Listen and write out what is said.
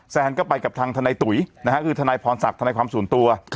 แซนก็ไปกับทางทนายตุ๋ยนะฮะคือทนายพรศักดิ์ทนายความส่วนตัว